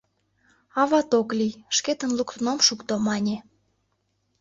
«Ават ок лий, шкетын луктын ом шукто», — мане.